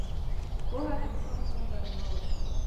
پوهه د انسان ژوند ته رڼا ورکوي.